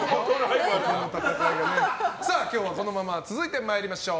今日はこのまま続いて参りましょう。